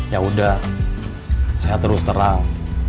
yaudah saya terus terang